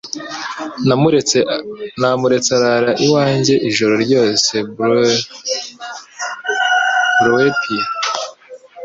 Namuretse arara iwanjye ijoro ryose bluepie